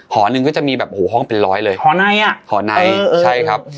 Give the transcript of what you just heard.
หอหนึ่งก็จะมีแบบโอ้โหห้องเป็นร้อยเลยหอในอ่ะหอในใช่ครับ